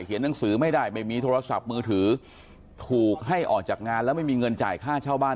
หนังสือไม่ได้ไม่มีโทรศัพท์มือถือถูกให้ออกจากงานแล้วไม่มีเงินจ่ายค่าเช่าบ้าน